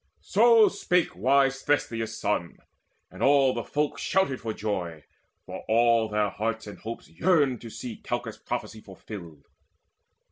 So spake wise Thestius' son, and all the folk Shouted for joy; for all their hearts and hopes Yearned to see Calchas' prophecy fulfilled.